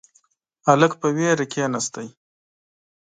هلک په وېره کښیناست.